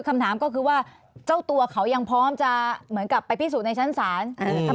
คำถามก็คือว่าเจ้าตัวเขายังพร้อมจะเหมือนกับไปพิสูจนในชั้นศาล